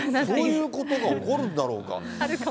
そういうことが起こるんだろうか。